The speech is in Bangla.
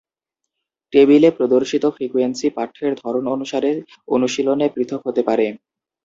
টেবিলে প্রদর্শিত ফ্রিকোয়েন্সি পাঠ্যের ধরন অনুসারে অনুশীলনে পৃথক হতে পারে।